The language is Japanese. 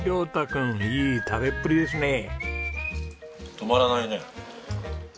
止まらないね。